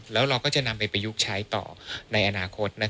แล้วเราก็จะนำไปประยุกต์ใช้ต่อในอนาคต